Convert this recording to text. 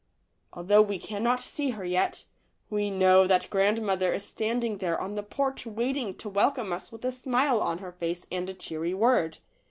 Although we cannot see her yet, we know that grandmother is standing there on the porch waiting to welcome us with a smile on her face and a cheery word.